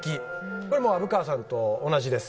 これも虻川さんと同じです。